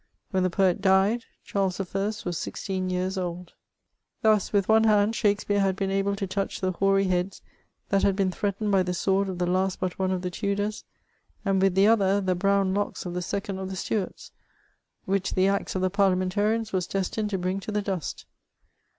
When the poet died, Charles I. was sixteen years old. Thus, with: one hand, Shakspeare had been able to touch the hoary heads that had been threatened by the sword of the last but one of the Tudors, and with the other, the brown locks of the second of the Stuarts, which the axe of the Parliamentarians was destined to bring to the dust.